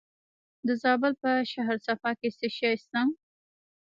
د زابل په شهر صفا کې څه شی شته؟